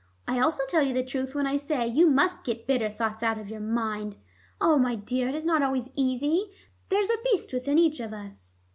I also tell you the truth when I say you must get bitter thoughts out of your mind. Ah, my dear, it is not always easy. There's a beast within each of us."